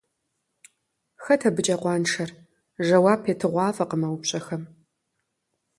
Хэт абыкӀэ къуаншэр? Жэуап етыгъуафӀэкъым а упщӀэхэм.